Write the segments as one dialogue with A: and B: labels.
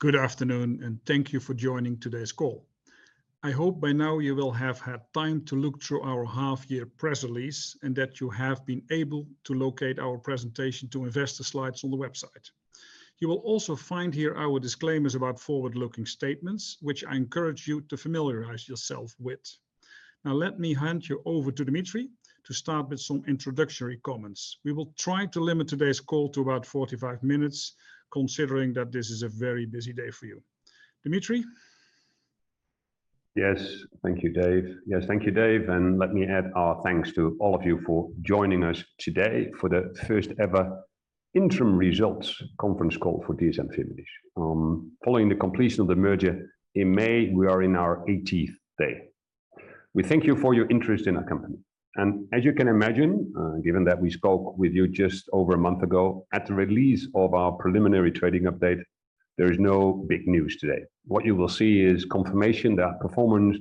A: Good afternoon, thank you for joining today's call. I hope by now you will have had time to look through our half year press release, and that you have been able to locate our presentation to investor slides on the website. You will also find here our disclaimers about forward-looking statements, which I encourage you to familiarize yourself with. Let me hand you over to Dimitri to start with some introductory comments. We will try to limit today's call to about 45 minutes, considering that this is a very busy day for you. Dimitri?
B: Yes. Thank you, Dave, and let me add our thanks to all of you for joining us today for the first ever interim results conference call for dsm-firmenich. Following the completion of the merger in May, we are in our eighteenth day. We thank you for your interest in our company. As you can imagine, given that we spoke with you just over a month ago at the release of our preliminary trading update, there is no big news today. What you will see is confirmation that performance,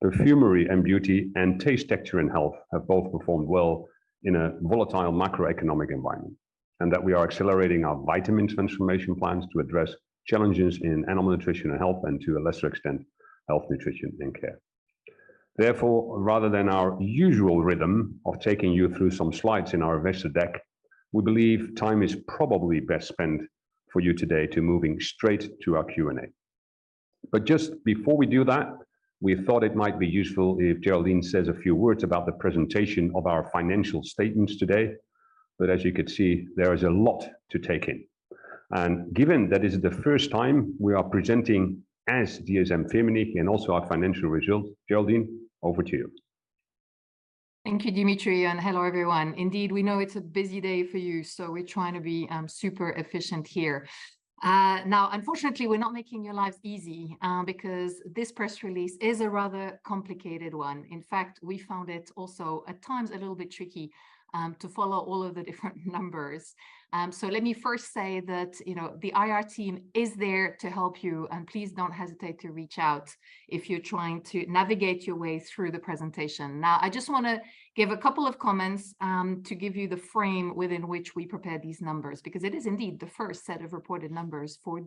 B: Perfumery and Beauty and Taste, Texture and Health have both performed well in a volatile macroeconomic environment, and that we are accelerating our vitamins transformation plans to address challenges in Animal Nutrition and Health, and to a lesser extent, Health, Nutrition and Care. Rather than our usual rhythm of taking you through some slides in our investor deck, we believe time is probably best spent for you today to moving straight to our Q&A. Just before we do that, we thought it might be useful if Geraldine says a few words about the presentation of our financial statements today. As you can see, there is a lot to take in, and given that is the first time we are presenting as dsm-firmenich and also our financial results, Geraldine, over to you.
C: Thank you, Dimitri. Hello, everyone. Indeed, we know it's a busy day for you, we're trying to be super efficient here. Now, unfortunately, we're not making your lives easy, because this press release is a rather complicated one. In fact, we found it also, at times, a little bit tricky to follow all of the different numbers. Let me first say that, you know, the IR team is there to help you, and please don't hesitate to reach out if you're trying to navigate your way through the presentation. Now, I just wanna give a couple of comments to give you the frame within which we prepared these numbers, because it is indeed the first set of reported numbers for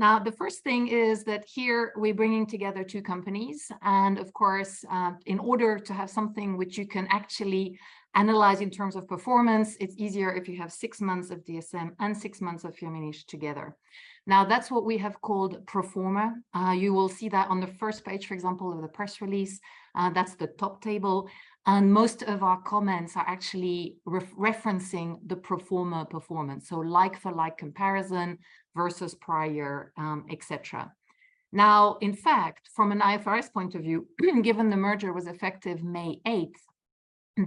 C: dsm-firmenich. The 1st thing is that here we're bringing together 2 companies and, of course, in order to have something which you can actually analyze in terms of performance, it's easier if you have 6 months of DSM and six months of Firmenich together. That's what we have called pro forma. You will see that on the 1st page, for example, of the press release, that's the top table, and most of our comments are actually referencing the pro forma performance, so like-for-like comparison versus prior, et cetera. In fact, from an IFRS point of view, given the merger was effective May 8th,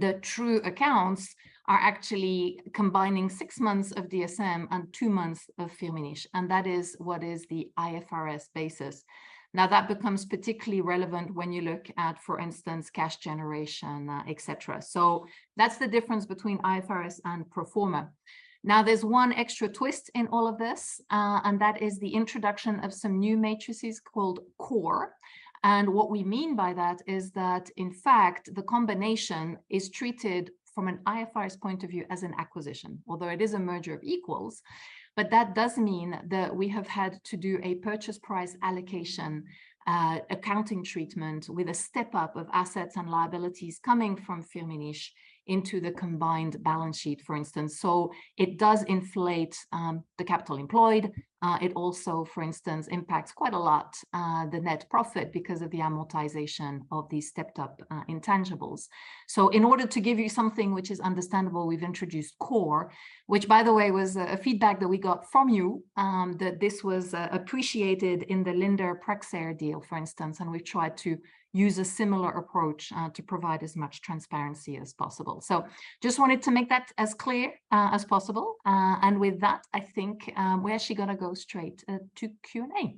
C: the true accounts are actually combining six months of DSM and two months of Firmenich, and that is what is the IFRS basis. That becomes particularly relevant when you look at, for instance, cash generation, et cetera. That's the difference between IFRS and pro forma. There's one extra twist in all of this, and that is the introduction of some new matrices called core, and what we mean by that is that, in fact, the combination is treated from an IFRS point of view as an acquisition, although it is a merger of equals. That does mean that we have had to do a purchase price allocation accounting treatment with a step-up of assets and liabilities coming from Firmenich into the combined balance sheet, for instance. It does inflate the capital employed. It also, for instance, impacts quite a lot the net profit because of the amortization of these stepped-up intangibles. In order to give you something which is understandable, we've introduced core, which, by the way, was a feedback that we got from you, that this was appreciated in the Linde-Praxair deal, for instance, and we've tried to use a similar approach to provide as much transparency as possible. Just wanted to make that as clear as possible. And with that, I think, we're actually gonna go straight to Q&A.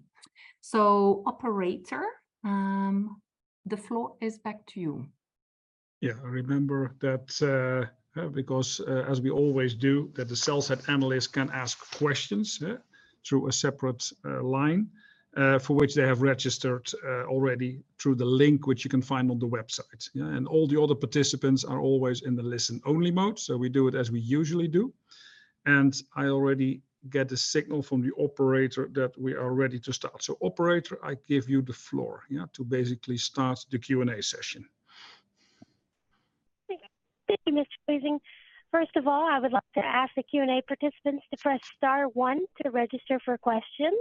C: Operator, the floor is back to you.
A: Yeah, remember that, because, as we always do, that the sell-side analysts can ask questions, yeah, through a separate line, for which they have registered already through the link, which you can find on the website. Yeah, all the other participants are always in the listen-only mode, so we do it as we usually do. I already get a signal from the operator that we are ready to start. Operator, I give you the floor, yeah, to basically start the Q&A session. Thank you, Mr. Huizing. First of all, I would like to ask the Q&A participants to press star one to register for questions.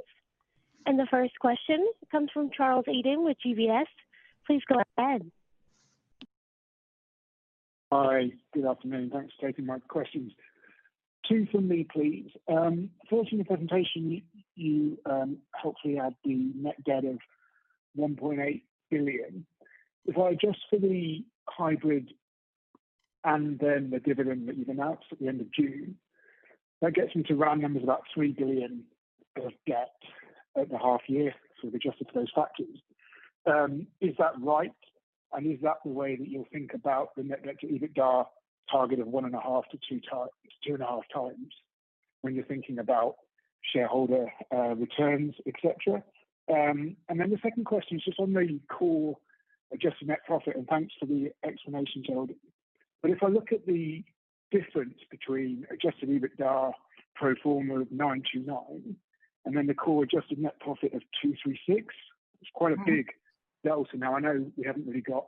A: The first question comes from Charles Eden with UBS. Please go ahead.
D: Hi, good afternoon. Thanks for taking my questions. Two from me, please. First, in the presentation, you helpfully had the net debt of 1.8 billion. If I adjust for the hybrid and then the dividend that you've announced at the end of June, that gets me to round numbers about 3 billion of debt at the half year, sort of, adjusted to those factors. Is that right, is that the way that you'll think about the net debt to EBITDA target of 1.5x-2.5x when you're thinking about shareholder returns, et cetera. The second question is just on the core Adjusted Net Profit, and thanks for the explanation, Geraldine. If I look at the difference between adjusted EBITDA pro forma of 929, and then the core adjusted net profit of 236, it's quite a big delta. I know we haven't really got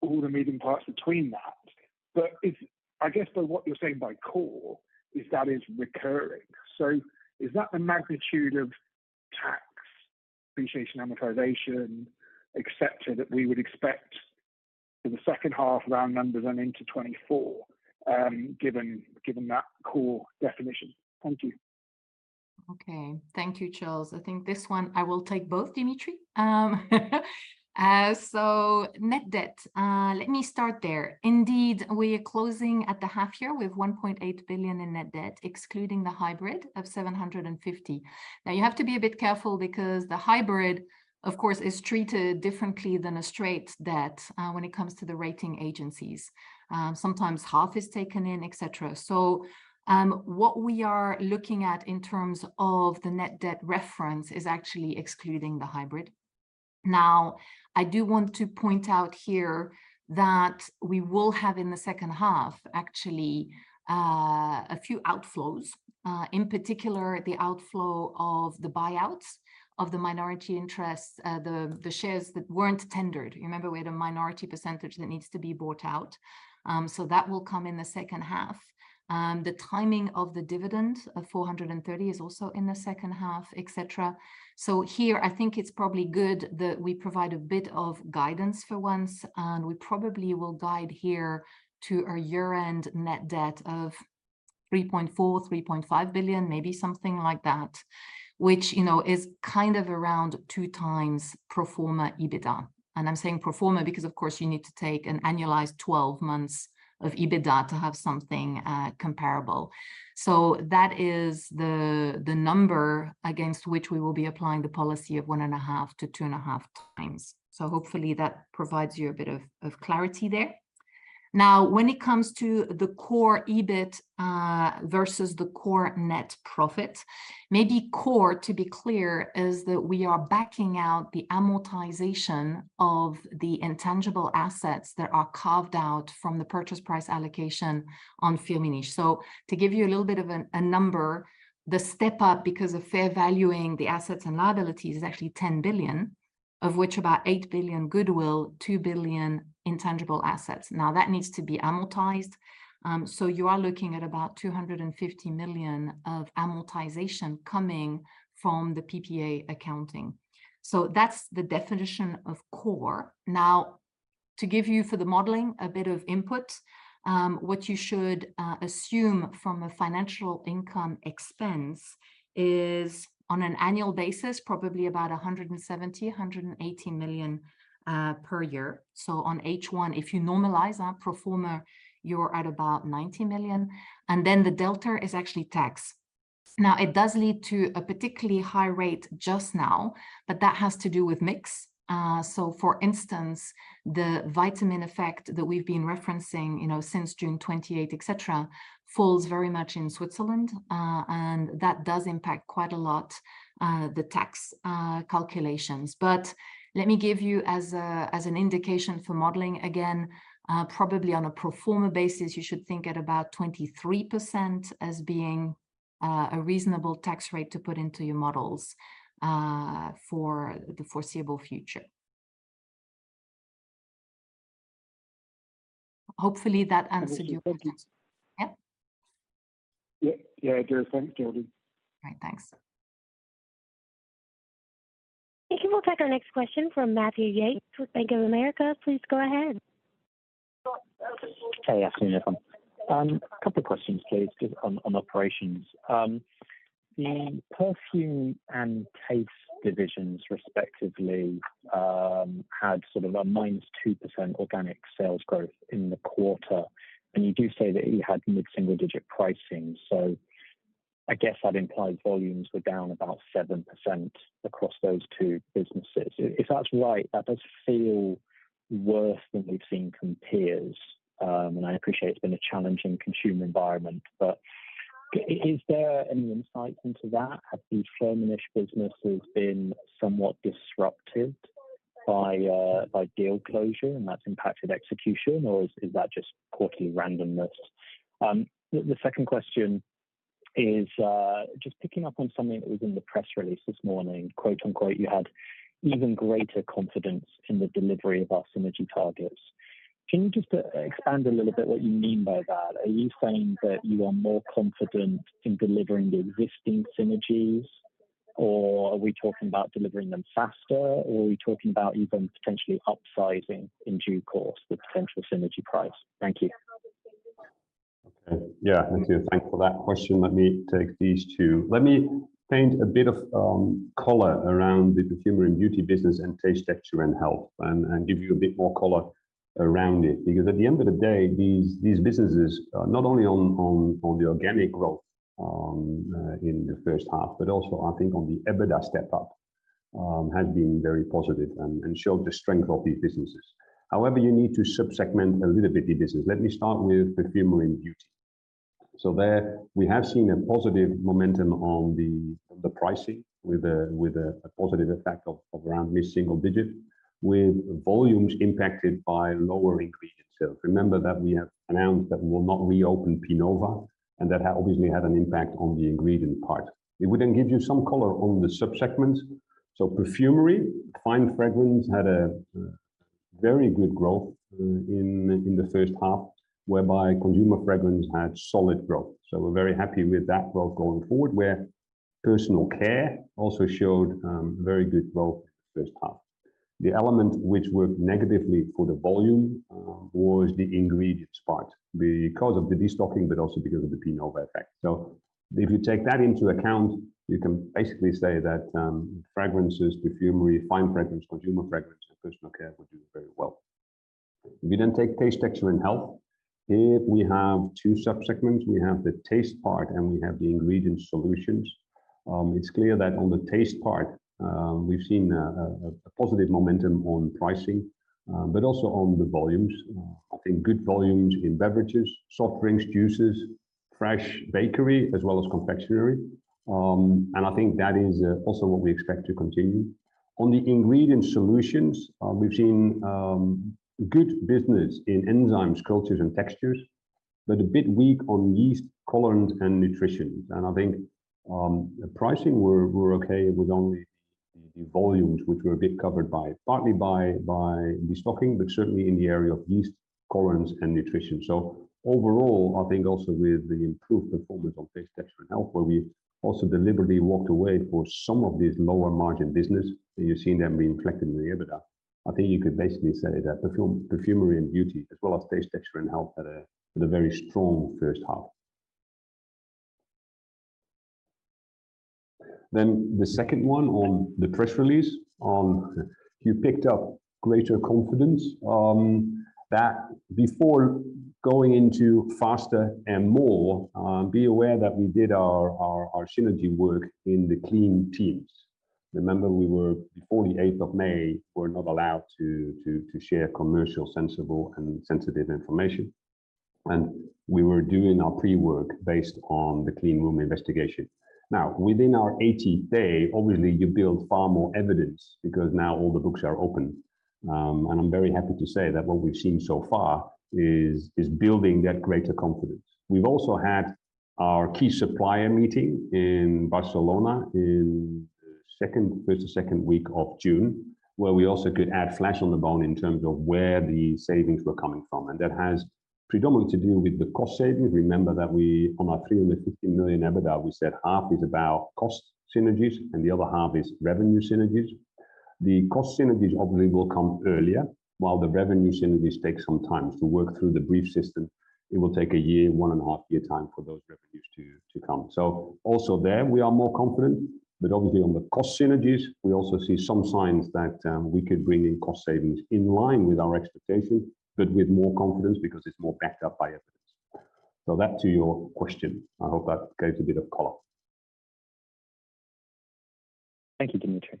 D: all the moving parts between that, I guess by what you're saying by core, is that is recurring. Is that the magnitude of tax, depreciation, amortization, et cetera, that we would expect for the second half, round numbers and into 2024, given that core definition? Thank you.
C: Okay. Thank you, Charles. I think this one I will take both, Dimitri. Net debt, let me start there. Indeed, we are closing at the half year with 1.8 billion in net debt, excluding the hybrid of 750. You have to be a bit careful because the hybrid, of course, is treated differently than a straight debt when it comes to the rating agencies. Sometimes half is taken in, et cetera. What we are looking at in terms of the net debt reference is actually excluding the hybrid. I do want to point out here that we will have, in the second half, actually, a few outflows. In particular, the outflow of the buyouts of the minority interests, the shares that weren't tendered. You remember we had a minority percentage that needs to be bought out, that will come in the second half. The timing of the dividend of 430 is also in the second half, et cetera. Here, I think it's probably good that we provide a bit of guidance for once, and we probably will guide here to our year-end net debt of 3.4 billion-3.5 billion, maybe something like that, which, you know, is kind of around 2x pro forma EBITDA. I'm saying pro forma because, of course, you need to take an annualized 12 months of EBITDA to have something comparable. That is the number against which we will be applying the policy of 1.5x-2.5x. Hopefully that provides you a bit of, of clarity there. Now, when it comes to the core EBIT versus the core net profit, maybe core, to be clear, is that we are backing out the amortization of the intangible assets that are carved out from the purchase price allocation on Firmenich. To give you a little bit of a, a number, the step up, because of fair valuing the assets and liabilities, is actually 10 billion, of which about 8 billion goodwill, 2 billion intangible assets. Now, that needs to be amortized, so you are looking at about 250 million of amortization coming from the PPA accounting. That's the definition of core. To give you, for the modeling, a bit of input, what you should assume from a financial income expense is, on an annual basis, probably about $170 -180 million per year. On H1, if you normalize that pro forma, you're at about $90 million, and then the delta is actually tax. It does lead to a particularly high rate just now, but that has to do with mix. For instance, the vitamin effect that we've been referencing, you know, since June 28th, et cetera, falls very much in Switzerland, and that does impact quite a lot the tax calculations. Let me give you as an indication for modeling, again, probably on a pro forma basis, you should think at about 23% as being, a reasonable tax rate to put into your models, for the foreseeable future. Hopefully, that answered your question.
D: Thank you.
C: Yep.
D: Yeah, it does. Thank you, Geraldine.
C: All right, thanks.
A: We'll take our next question from Matthew Yates with Bank of America. Please go ahead.
E: Hey, afternoon, everyone. A couple of questions, please, just on, on operations. The Perfume and Taste divisions, respectively, had sort of a -2% organic sales growth in the quarter, and you do say that you had mid-single-digit pricing. I guess that implied volumes were down about 7% across those two businesses. If, if that's right, that does feel worse than we've seen from peers. I appreciate it's been a challenging consumer environment, but i- is there any insight into that? Have the Firmenich businesses been somewhat disrupted by, by deal closure, and that's impacted execution, or is, is that just quarterly randomness? The, the second question is, just picking up on something that was in the press release this morning, quote, unquote, "You had even greater confidence in the delivery of our synergy targets." Can you just expand a little bit what you mean by that? Are you saying that you are more confident in delivering the existing synergies, or are we talking about delivering them faster, or are we talking about even potentially upsizing in due course the potential synergy price? Thank you.
B: Okay. Yeah, Matthew, thank you for that question. Let me take these two. Let me paint a bit of color around the Perfumery & Beauty business and Taste, Texture & Health and give you a bit more color around it. At the end of the day, these, these businesses are not only on, on the organic growth in the first half, but also, I think on the EBITDA step up has been very positive and showed the strength of these businesses. However, you need to sub-segment a little bit the business. Let me start with Perfumery & Beauty. There, we have seen a positive momentum, on the pricing with a, with a, a positive effect, of around mid-single digit, with volumes impacted by lower ingredients sales. Remember that we have announced that we will not reopen Pinova, that obviously had an impact on the ingredient part. It would then give you some color on the sub-segments. Perfumery, fine fragrance had a very good growth in the first half, whereby consumer fragrance had solid growth. We're very happy with that growth going forward, where personal care also showed very good growth first half. The element which worked negatively for the volume was the ingredients part because of the destocking, but also because of the Pinova effect. If you take that into account, you can basically say that fragrances, perfumery, fine fragrance, consumer fragrance, and personal care were doing very well. We take Taste, Texture & Health. Here, we have two sub-segments. We have the taste part, and we have the ingredient solutions. It's clear that on the taste part, we've seen a positive momentum on pricing, but also on the volumes. I think good volumes in beverages, soft drinks, juices, fresh bakery, as well as confectionery. I think that is also what we expect to continue. On the ingredient solutions, we've seen good business in enzymes, cultures, and textures, but a bit weak on yeast, colorants, and nutrition. I think the pricing were okay with only the volumes, which were a bit covered by partly by destocking, but certainly in the area of yeast, colorants, and nutrition. Overall, I think also with the improved performance on Taste, Texture & Health, where we also deliberately walked away for some of these lower-margin business, and you've seen them reflected in the EBITDA. I think you could basically say that Perfumery & Beauty, as well as Taste, Texture & Health, had a very strong first half. The second one on the press release, you picked up greater confidence. That before going into faster and more, be aware that we did our synergy work in the clean teams. Remember, we were, before the 8th of May, were not allowed to share commercial sensible and sensitive information, and we were doing our pre-work based on the clean room investigation. Now, within our 80 day, obviously, you build far more evidence because now all the books are open. And I'm very happy to say that what we've seen so far is building that greater confidence. We've also had our key supplier meeting in Barcelona in second, first or second week of June, where we also could add flesh on the bone in terms of where the savings were coming from, and that has predominantly to do with the cost savings. Remember that we, on our $350 million EBITDA, we said 50% is about cost synergies and the other 50% is revenue synergies. The cost synergies obviously will come earlier, while the revenue synergies take some time to work through the brief system. It will take a year, 1.5 year time for those revenues to come. Also there, we are more confident, but obviously on the cost synergies, we also see some signs that we could bring in cost savings in line with our expectations, but with more confidence because it's more backed up by evidence. That to your question, I hope that gives a bit of color.
C: Thank you, Dimitri.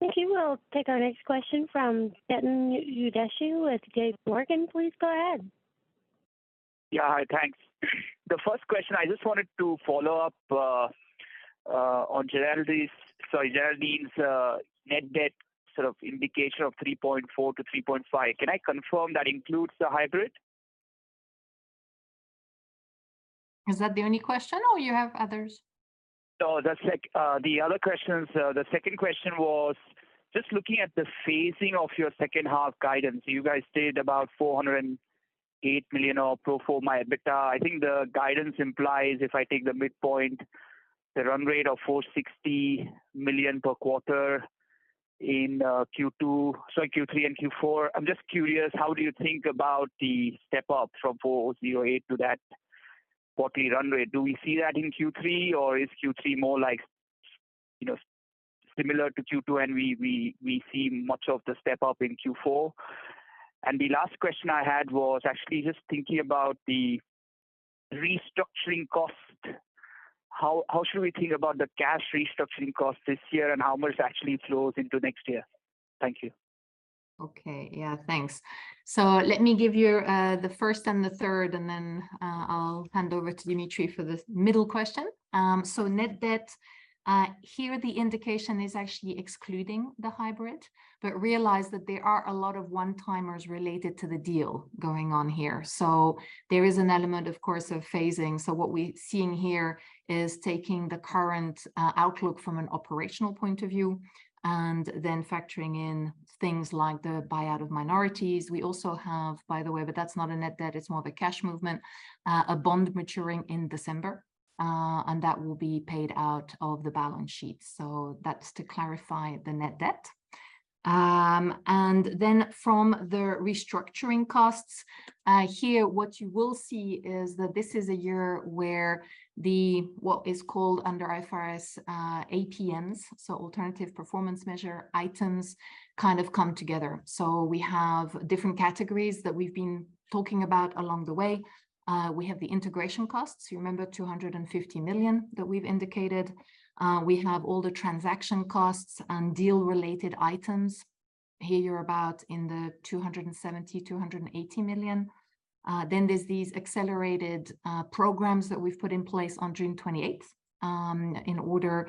A: Thank you. We'll take our next question from Chetan Udeshi with JP Morgan. Please go ahead.
F: Yeah. Hi, thanks. The first question, I just wanted to follow up on Geraldine's net debt sort of indication of 3.4-3.5. Can I confirm that includes the hybrid?
C: Is that the only question, or you have others?
F: No, that's like the other question, the second question was, just looking at the phasing of your second half guidance, you guys stayed about 408 million of pro forma EBITDA. I think the guidance implies, if I take the midpoint, the run rate of 460 million per quarter in Q2, sorry, Q3 and Q4. I'm just curious, how do you think about the step up from 408 to that quarterly run rate? Do we see that in Q3, or is Q3 more like, you know, similar to Q2, and we, we, we see much of the step up in Q4? The last question I had was actually just thinking about the restructuring cost. How, how should we think about the cash restructuring cost this year, and how much actually flows into next year? Thank you.
C: Okay. Yeah, thanks. Let me give you the first and the third, and then I'll hand over to Dimitri for the middle question. Net debt here, the indication is actually excluding the hybrid, but realize that there are a lot of one-timers related to the deal going on here. There is an element, of course, of phasing. What we're seeing here is taking the current outlook from an operational point of view and then factoring in things like the buyout of minorities. We also have, by the way, but that's not a net debt, it's more of a cash movement, a bond maturing in December, and that will be paid out of the balance sheet. That's to clarify the net debt. From the restructuring costs, here, what you will see is that this is a year where the, what is called under IFRS, APMs, so alternative performance measure items kind of come together. We have different categories that we've been talking about along the way. We have the integration costs. You remember 250 million that we've indicated? We have all the transaction costs and deal-related items. Here, you're about in the 270 million-280 million. There's these accelerated programs that we've put in place on June 28th, in order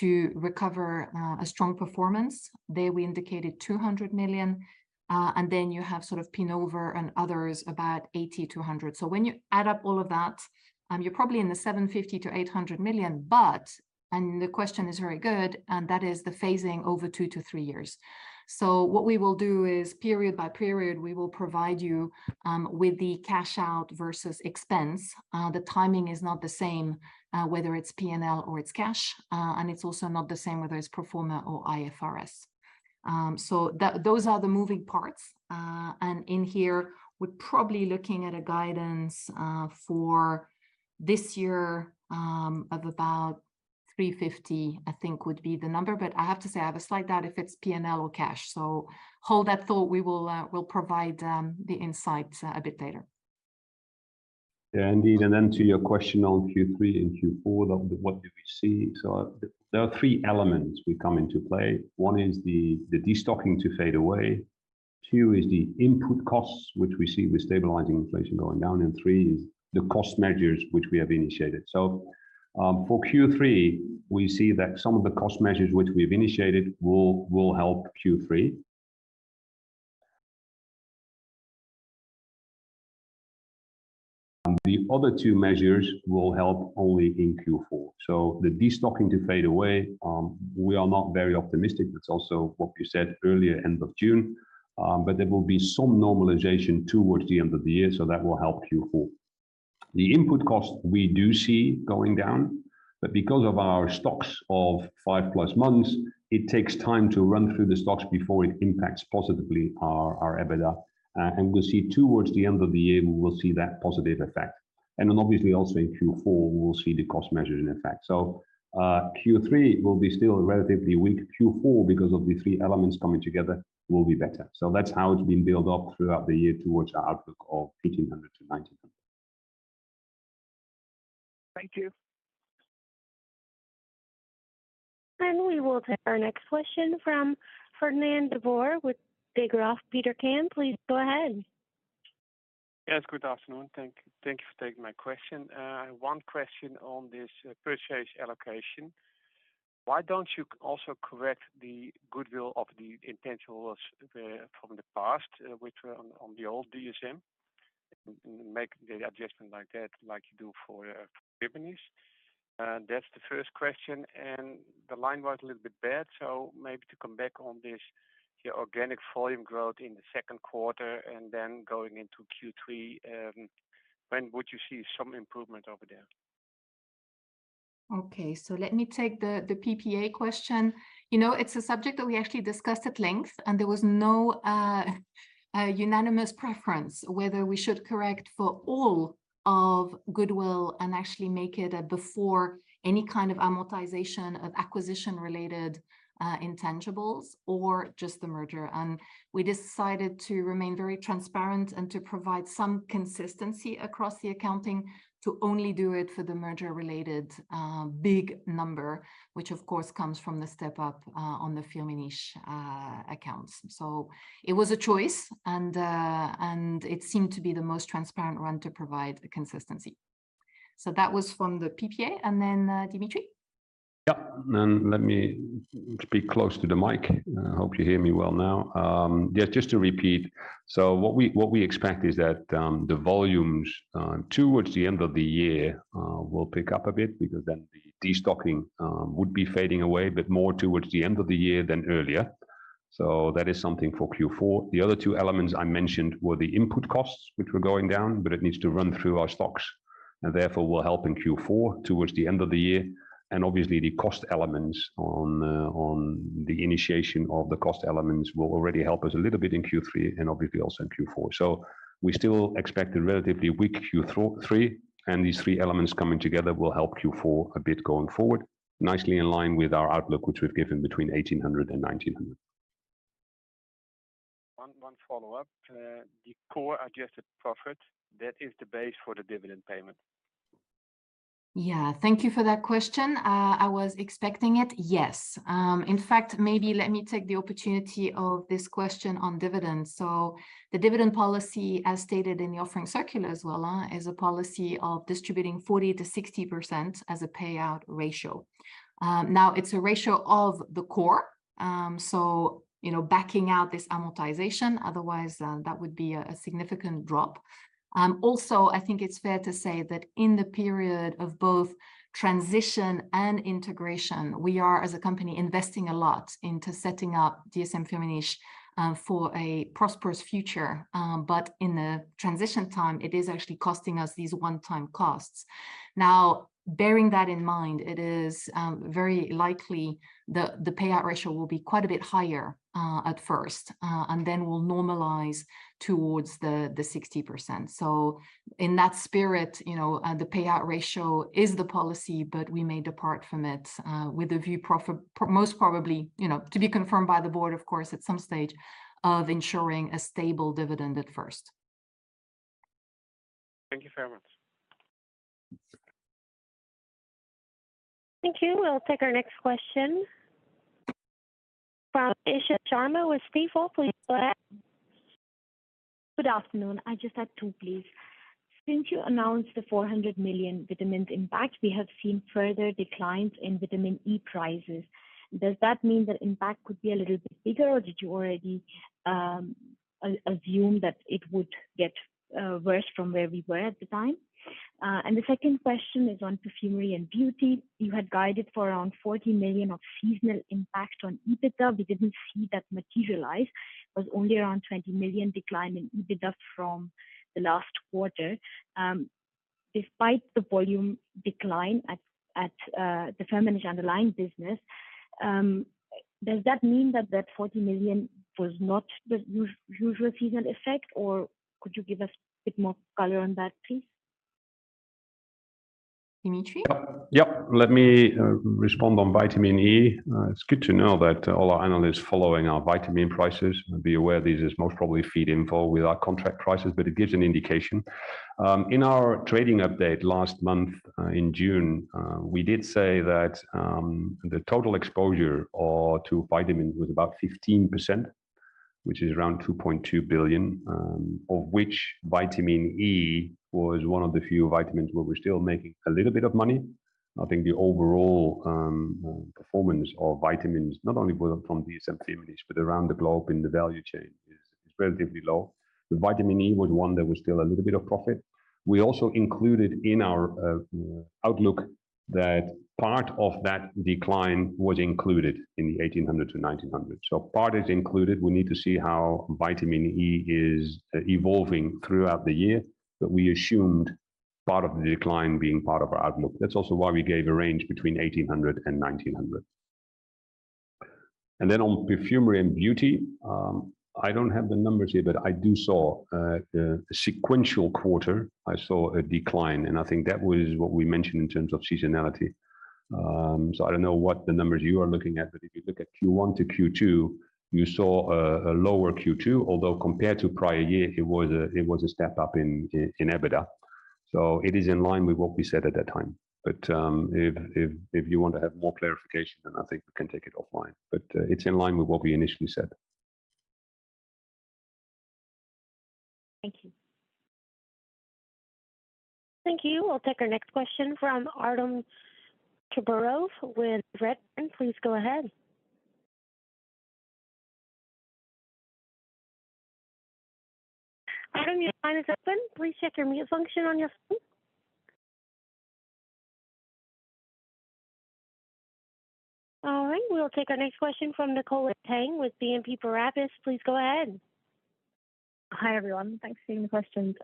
C: to recover a strong performance. There, we indicated 200 million, and then you have sort of Pinova and others, about 80-100. When you add up all of that, you're probably in the 750-800 million, and the question is very good, and that is the phasing overt wo to three years. What we will do is, period by period, we will provide you with the cash out versus expense. The timing is not the same, whether it's P&L or it's cash, and it's also not the same whether it's pro forma or IFRS. Those are the moving parts. And in here, we're probably looking at a guidance for this year of about 350, I think would be the number. I have to say, I have a slide that if it's P&L or cash, hold that thought. We will, we'll provide the insights a bit later.
B: Indeed, to your question on Q3 and Q4, of what do we see? There are three elements will come into play. One is the destocking to fade away. Two is the input costs, which we see with stabilizing inflation going down, and three is the cost measures, which we have initiated. For Q3, we see that some of the cost measures which we've initiated will help Q3. The other two measures will help only in Q4. The destocking to fade away, we are not very optimistic. That's also what you said earlier, end of June, but there will be some normalization towards the end of the year, that will help Q4. The input cost, we do see going down, but because of our stocks of five-plus months, it takes time to run through the stocks before it impacts positively our, our EBITDA. We'll see towards the end of the year, we will see that positive effect. Then obviously also in Q4, we will see the cost measures in effect. Q3 will be still relatively weak. Q4, because of the three elements coming together, will be better. That's how it's been built up throughout the year towards our outlook of 1,800-1,900.
G: Thank you.
A: We will take our next question from Fernand de Boer with Degroof Petercam. Please go ahead.
G: Yes, good afternoon. Thank, thank you for taking my question. One question on this purchase allocation. Why don't you also correct the goodwill of the intangibles from the past, which were on, on the old DSM, and make the adjustment like that, like you do for Firmenich? That's the first question, and the line was a little bit bad, so maybe to come back on this, your organic volume growth in the second quarter, and then going into Q3, when would you see some improvement over there?
C: Okay, let me take the, the PPA question. You know, it's a subject that we actually discussed at length, and there was no, a unanimous preference whether we should correct for all of goodwill and actually make it a before any kind of amortization of acquisition-related, intangibles or just the merger. We decided to remain very transparent and to provide some consistency across the accounting to only do it for the merger-related, big number, which of course, comes from the step up, on the Firmenich accounts. It was a choice, and, and it seemed to be the most transparent one to provide consistency. That was from the PPA, and then, Dimitri?
B: Yeah. Let me speak close to the mic. I hope you hear me well now. What we, what we expect is that the volumes towards the end of the year will pick up a bit because then destocking would be fading away, but more towards the end of the year than earlier. That is something for Q4. The other two elements I mentioned were the input costs, which were going down, but it needs to run through our stocks, and therefore will help in Q4, towards the end of the year. Obviously, the cost elements on the, on the initiation of the cost elements will already help us a little bit in Q3, and obviously also in Q4. We still expect a relatively weak Q3, and these three elements coming together will help Q4 a bit going forward, nicely in line with our outlook, which we've given between 1,800 and 1,900.
G: One, follow-up. The core adjusted profit, that is the base for the dividend payment?
C: Yeah. Thank you for that question. I was expecting it. Yes. In fact, maybe let me take the opportunity of this question on dividends. The dividend policy, as stated in the offering circular as well, is a policy of distributing 40%-60% as a payout ratio. Now, it's a ratio of the core, so you know, backing out this amortization, otherwise, that would be a, a significant drop. Also, I think it's fair to say that in the period of both transition and integration, we are, as a company, investing a lot into setting up dsm-firmenich for a prosperous future. In the transition time, it is actually costing us these one-time costs. Bearing that in mind, it is very likely the payout ratio will be quite a bit higher at first and then will normalize towards the 60%. In that spirit, you know, the payout ratio is the policy, but we may depart from it with a view most probably, you know, to be confirmed by the board, of course, at some stage, of ensuring a stable dividend at first.
G: Thank you very much.
A: We'll take our next question from Isha Sharma with Stifel. Please go ahead.
H: Good afternoon. I just had two, please. Since you announced the $400 million vitamins impact, we have seen further declines in vitamin E prices. Does that mean the impact could be a little bit bigger, or did you already assume that it would get worse from where we were at the time? The second question is on Perfumery & Beauty. You had guided for around $40 million of seasonal impact on EBITDA. We didn't see that materialize. It was only around $20 million decline in EBITDA from the last quarter. Despite the volume decline at the Firmenich underlying business, does that mean that that $40 million was not the usual seasonal effect, or could you give us a bit more color on that, please?
C: Dimitri?
B: Yep. Let me respond on vitamin E. It's good to know that all our analysts following our vitamin prices. Be aware this is most probably feed info with our contract prices, but it gives an indication. In our trading update last month, in June, we did say that the total exposure or to vitamins was about 15%, which is around $2.2 billion, of which vitamin E was one of the few vitamins where we're still making a little bit of money. I think the overall performance of vitamins, not only for from dsm-firmenich, but around the globe in the value chain, is relatively low. The vitamin E was one that was still a little bit of profit. We also included in our outlook that part of that decline was included in the 1,800-1,900. Part is included. We need to see how vitamin E is evolving throughout the year, but we assumed part of the decline being part of our outlook. That's also why we gave a range between 1,800 and 1,900. On Perfumery & Beauty, I don't have the numbers here, but I do saw a sequential quarter, I saw a decline, and I think that was what we mentioned in terms of seasonality. I don't know what the numbers you are looking at, but if you look at Q1 to Q2, you saw a, a lower Q2, although compared to prior year, it was a, it was a step up in, in, in EBITDA. It is in line with what we said at that time. If, if, if you want to have more clarification, then I think we can take it offline, but, it's in line with what we initially said.
H: Thank you.
A: Thank you. We'll take our next question from Artem Chubarov with Redburn. Please go ahead. Artem, your line is open. Please check your mute function on your phone. All right, we'll take our next question from Nicola Tang with BNP Paribas. Please go ahead.
I: Hi, everyone. Thanks for taking the questions.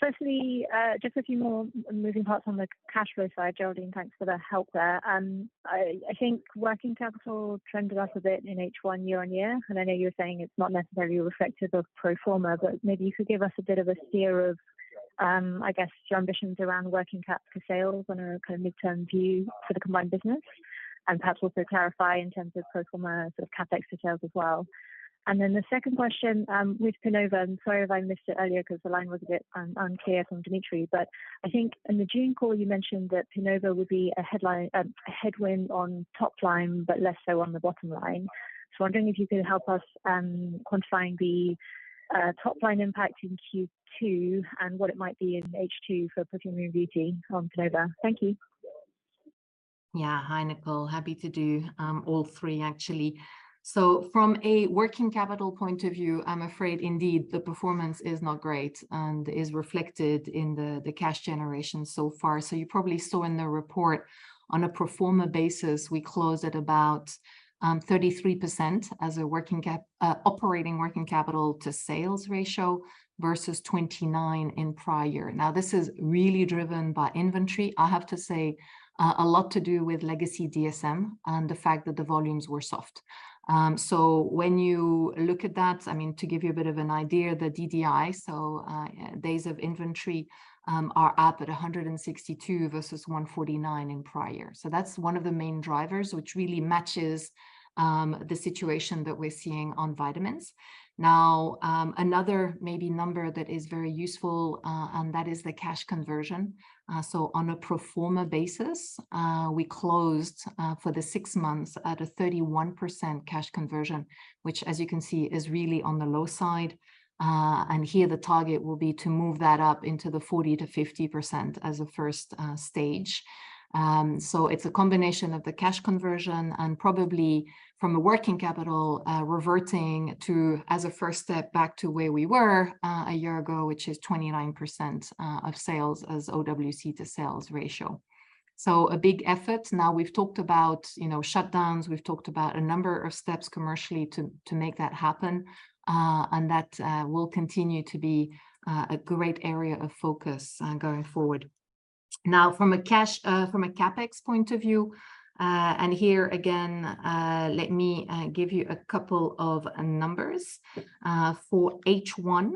I: Firstly, just a few more moving parts on the cash flow side. Geraldine, thanks for the help there. I think working capital trended up a bit in H1 year-on-year, and I know you're saying it's not necessarily reflective of pro forma, but maybe you could give us a bit of a steer of, I guess, your ambitions around working cap for sales and a kind of midterm view for the combined business, and perhaps also clarify in terms of pro forma sort of CapEx details as well. The second question, with Pinova, and sorry if I missed it earlier because the line was a bit unclear from Dimitri, but I think in the June call, you mentioned that Pinova would be a headline, a headwind on top line, but less so on the bottom line. Wondering if you could help us quantifying the top line impact in Q2 and what it might be in H2 for Perfumery & Beauty on Pinova. Thank you.
C: Yeah. Hi, Nicole. Happy to do all three, actually. From a working capital point of view, I'm afraid indeed, the performance is not great and is reflected in the cash generation so far. You probably saw in the report on a pro forma basis, we closed at about 33% as a operating working capital to sales ratio versus 29 in prior year. This is really driven by inventory. I have to say, a lot to do with legacy DSM and the fact that the volumes were soft. When you look at that, I mean, to give you a bit of an idea, the DDI, so, days of inventory, are up at 162 versus 149 in prior. That's one of the main drivers, which really matches the situation that we're seeing on vitamins. Another maybe number that is very useful, that is the cash conversion. On a pro forma basis, we closed for the 6 months at a 31% cash conversion, which as you can see, is really on the low side. Here the target will be to move that up into the 40%-50% as a first stage. It's a combination of the cash conversion and probably from a working capital, reverting to, as a first step, back to where we were a year ago, which is 29% of sales as OWC to sales ratio. A big effort. We've talked about, you know, shutdowns, we've talked about a number of steps commercially to, to make that happen, and that will continue to be a great area of focus going forward. From a cash, from a CapEx point of view, and here again, let me give you a couple of numbers. For H1,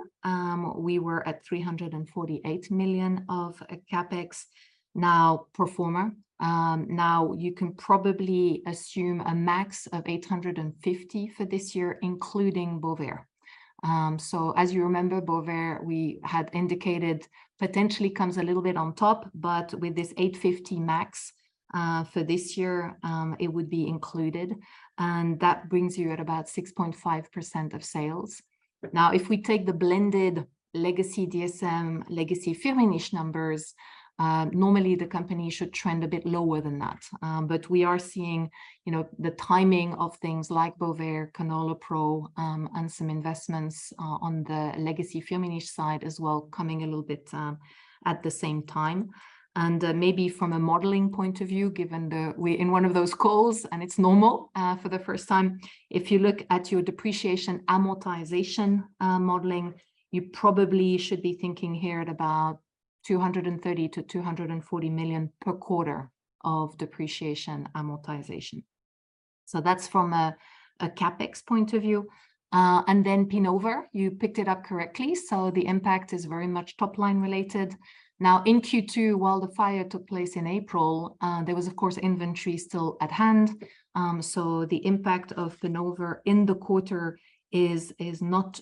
C: we were at 348 million of CapEx now pro forma. You can probably assume a max of 850 for this year, including Bovaer. As you remember, Bovaer, we had indicated potentially comes a little bit on top, but with this 850 max for this year, it would be included, and that brings you at about 6.5% of sales. Now, if we take the blended legacy DSM, legacy Firmenich numbers, normally the company should trend a bit lower than that. But we are seeing, you know, the timing of things like Bovaer, CanolaPRO, and some investments on the legacy Firmenich side as well, coming a little bit at the same time. Maybe from a modeling point of view, given that we're in one of those calls, and it's normal, for the first time, if you look at your depreciation amortization modeling, you probably should be thinking here at about 230 million-240 million per quarter of depreciation amortization. That's from a CapEx point of view. Then Pinova, you picked it up correctly, so the impact is very much top-line related. In Q2, while the fire took place in April, there was, of course, inventory still at hand. The impact of Pinova in the quarter is, is not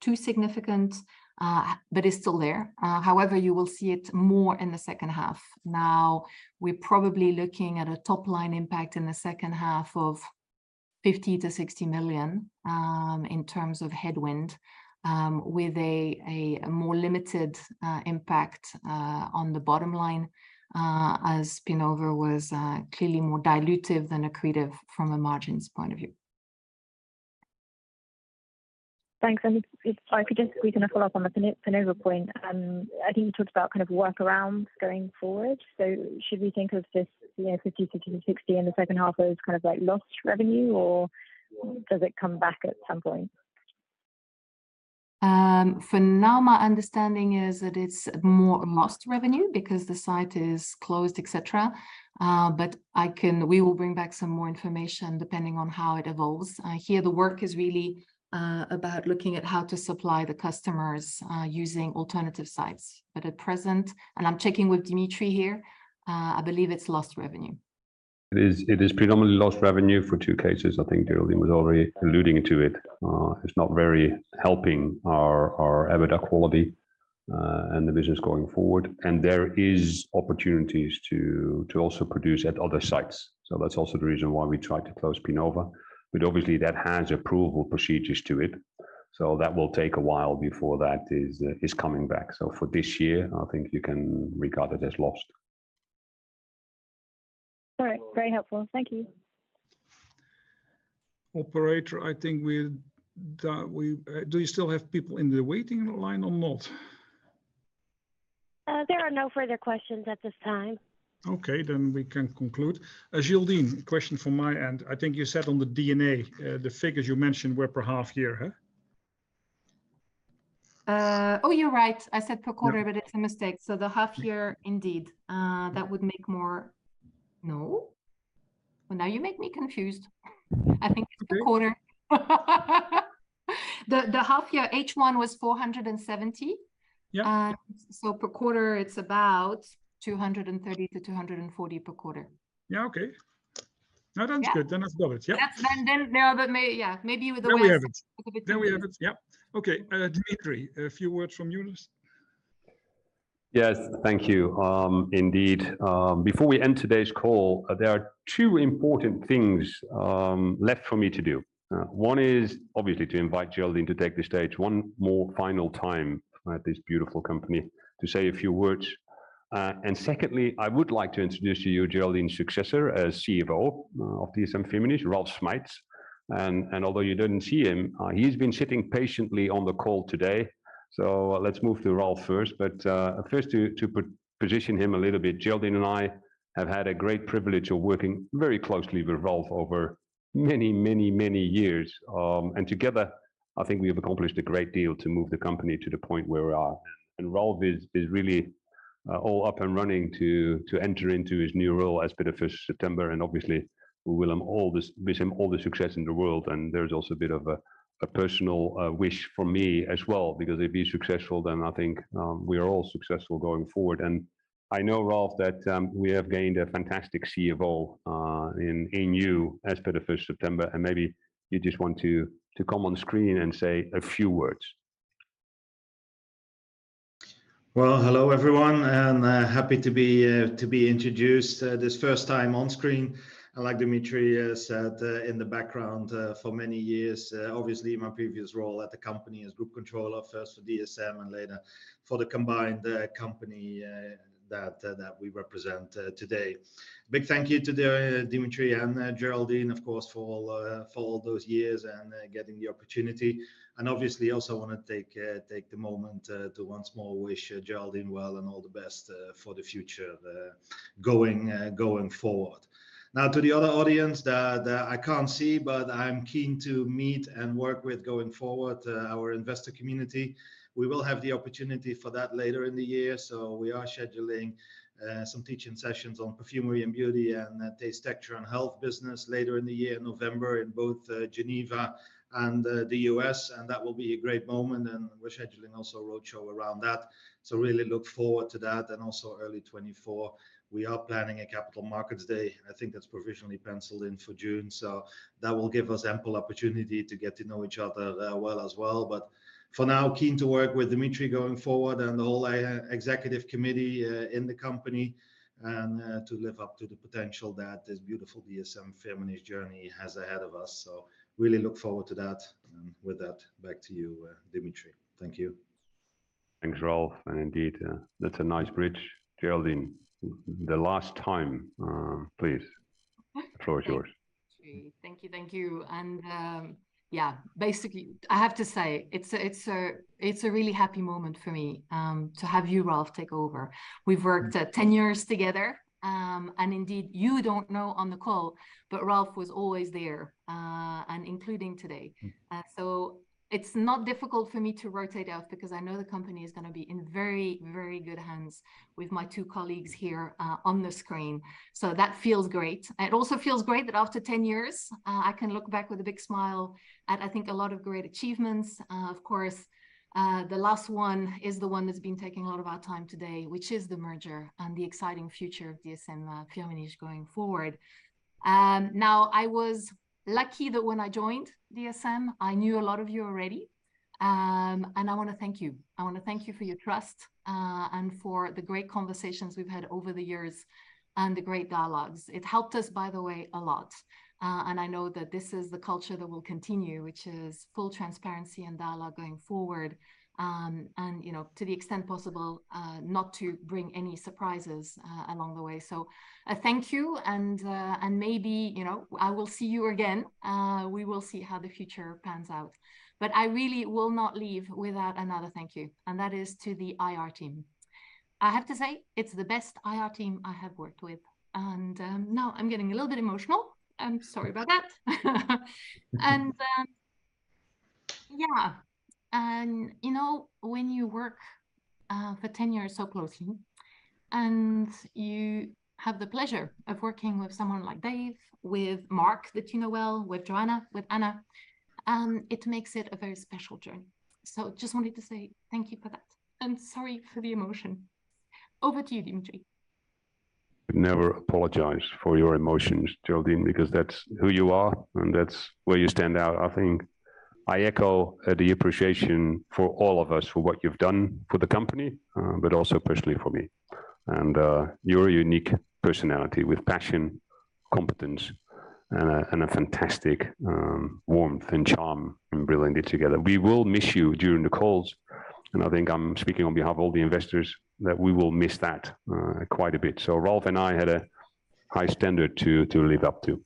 C: too significant, but it's still there. However, you will see it more in the second half. We're probably looking at a top-line impact in the second half of 50 million-60 million in terms of headwind with a more limited impact on the bottom line as Pinova was clearly more dilutive than accretive from a margins point of view.
I: Thanks. If, if I could just squeeze in a follow-up on the Pinova point. I think you talked about kind of workarounds going forward. Should we think of this, you know, 50-60 million in the second half as kind of like lost revenue, or does it come back at some point?
C: For now, my understanding is that it's more lost revenue because the site is closed, et cetera. I can- we will bring back some more information depending on how it evolves. Here the work is really about looking at how to supply the customers, using alternative sites. At present, and I'm checking with Dimitri here, I believe it's lost revenue.
B: It is, it is predominantly lost revenue for two cases. I think Geraldine was already alluding to it. It's not very helping our, our EBITDA quality, and the business going forward. There is opportunities to, to also produce at other sites, so that's also the reason why we tried to close Pinova. Obviously, that has approval procedures to it, so that will take a while before that is coming back. For this year, I think you can regard it as lost.
I: All right. Very helpful. Thank you.
A: Operator, I think we're done. Do you still have people in the waiting line or not? There are no further questions at this time. Okay, we can conclude. Geraldine, a question from my end. I think you said on the DNA, the figures you mentioned were per half year, huh?
C: You're right. I said per quarter-
A: Yeah
C: It's a mistake. The half year, indeed. That would make more... No? Well, now you make me confused. I think it's per quarter. The, the half year, H1, was 470.
A: Yeah.
C: Per quarter, it's about 230-240 per quarter.
A: Yeah. Okay.
C: Yeah.
A: No, that's good. I've got it. Yeah.
C: Yeah, then, then there are the. Yeah, maybe with the.
A: There we have it. There we have it. Yeah. Okay, Dimitri, a few words from you please?
B: Yes, thank you. Indeed, before we end today's call, there are 2 important things left for me to do. 1 is obviously to invite Geraldine to take the stage 1 more final time at this beautiful company, to say a few words. Secondly, I would like to introduce to you Geraldine's successor as CEO of dsm-firmenich, Ralf Schmeitz. Although you didn't see him, he's been sitting patiently on the call today. Let's move to Ralf first. First, to position him a little bit, Geraldine and I have had a great privilege of working very closely with Ralf over many, many, many years. Together, I think we have accomplished a great deal to move the company to the point where we are. Ralf is, is really, all up and running to, to enter into his new role as per the first September, and obviously, we wish him all this- wish him all the success in the world. There's also a bit of a, a personal, wish from me as well, because if he's successful, then I think, we are all successful going forward. I know, Ralf, that, we have gained a fantastic CEO, in, in you as per the first September, and maybe you just want to, to come on screen and say a few words.
J: Well, hello, everyone, happy to be to be introduced this first time on screen. Like Dimitri has said, in the background, for many years, obviously, my previous role at the company as Group Controller, first for DSM and later for the combined company that that we represent today. Big thank you to the Dimitri and Geraldine, of course, for all for all those years and getting the opportunity. Obviously, I also wanna take take the moment to once more wish Geraldine well and all the best for the future going going forward. Now, to the other audience that that I can't see, but I'm keen to meet and work with going forward, our investor community, we will have the opportunity for that later in the year. We are scheduling some teaching sessions on Perfumery & Beauty and Taste, Texture & Health business later in the year, November, in both Geneva and the US, and that will be a great moment, and we're scheduling also a roadshow around that. Really look forward to that. Also early 2024, we are planning a Capital Markets Day. I think that's provisionally penciled in for June. That will give us ample opportunity to get to know each other well as well. For now, keen to work with Dimitri going forward and the whole executive committee in the company, and to live up to the potential that this beautiful dsm-firmenich journey has ahead of us. Really look forward to that. With that, back to you, Dimitri. Thank you.
B: Thanks, Ralf Indeed, that's a nice bridge. Geraldine, the last time, please, the floor is yours.
C: Thank you. Thank you, thank you. Yeah, basically, I have to say, it's a really happy moment for me to have you, Ralf, take over. We've worked 10 years together, and indeed, you don't know on the call, but Ralf was always there and including today. It's not difficult for me to rotate out because I know the company is gonna be in very, very good hands with my two colleagues here on the screen. So that feels great. It also feels great that after 10 years, I can look back with a big smile at, I think, a lot of great achievements. Of course, the last one is the one that's been taking a lot of our time today, which is the merger and the exciting future of dsm-firmenich, going forward. Now, I was lucky that when I joined DSM, I knew a lot of you already. I I wanna thank you for your trust, and for the great conversations we've had over the years and the great dialogues. It helped us, by the way, a lot. I know that this is the culture that will continue, which is full transparency and dialogue going forward, and, you know, to the extent possible, not to bring any surprises along the way. Thank you, and maybe, you know, I will see you again. We will see how the future pans out. I really will not leave without another thank you, and that is to the IR team. I have to say, it's the best IR team I have worked with. Now I'm getting a little bit emotional. I'm sorry about that. Yeah, and, you know, when you work for 10 years so closely, and you have the pleasure of working with someone like Dave, with Mark, that you know well, with Joanna, with Anna, it makes it a very special journey. Just wanted to say thank you for that, and sorry for the emotion. Over to you, Dmitry.
B: Never apologize for your emotions, Geraldine, because that's who you are, and that's where you stand out. I think I echo the appreciation for all of us for what you've done for the company, but also personally for me. Your unique personality with passion, competence, and a fantastic warmth and charm and bringing it together. We will miss you during the calls, and I think I'm speaking on behalf of all the investors, that we will miss that quite a bit. Ralf and I had a high standard to live up to.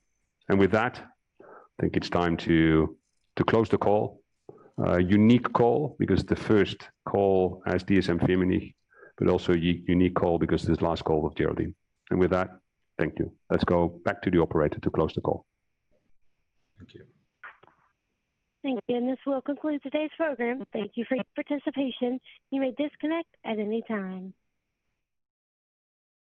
B: With that, I think it's time to close the call. A unique call, because the first call as dsm-firmenich, but also a unique call because it's the last call with Geraldine. With that, thank you. Let's go back to the operator to close the call.
E: Thank you.
A: Thank you. This will conclude today's program. Thank you for your participation. You may disconnect at any time.